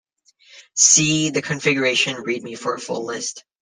See the configuration readme for a full list.